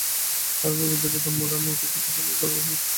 তার ওপর বিদ্যুতের দাম বাড়ানো কিছুটা হলেও বাড়তি সমস্যা সৃষ্টি করতে পারে।